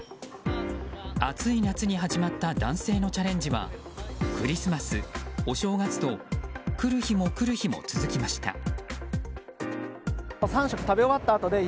暑い夏に始まった男性のチャレンジはクリスマス、お正月と来る日も来る日も続きました。